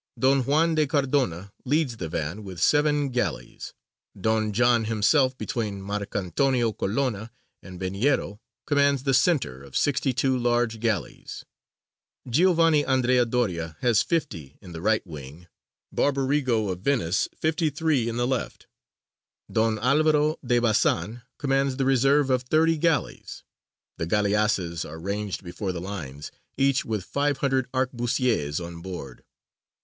Don Juan de Cardona leads the van with seven galleys; Don John himself, between Marcantonio Colonna and Veniero, commands the centre of sixty two large galleys; G. A. Doria has fifty in the right wing; Barbarigo of Venice fifty three in the left; Don Alvaro de Bazan commands the reserve of thirty galleys: the galleasses are ranged before the lines, each with five hundred arquebusiers on board.